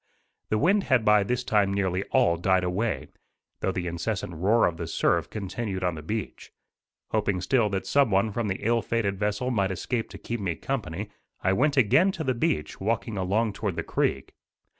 The wind had by this time nearly all died away, though the incessant roar of the surf continued on the beach. Hoping still that some one from the ill fated vessel might escape to keep me company, I went again to the beach, walking along toward the creek.